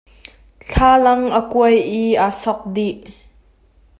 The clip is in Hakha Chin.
Thlalang a kuai i a sok dih.